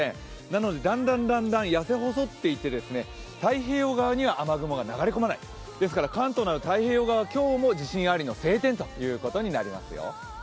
なのでだんだんやせ細っていって太平洋側には雨雲が流れ込まない、ですから関東は太平洋側今日も自信ありの晴天ということになりますよ。